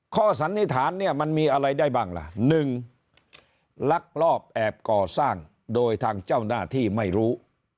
สันนิษฐานเนี่ยมันมีอะไรได้บ้างล่ะ๑ลักลอบแอบก่อสร้างโดยทางเจ้าหน้าที่ไม่รู้